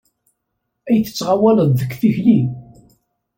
Ay tettɣawaleḍ deg tikli!